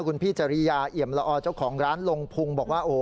คุณพี่จริยาเอี่ยมละอเจ้าของร้านลงพุงบอกว่าโอ้โห